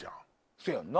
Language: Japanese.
せやんな。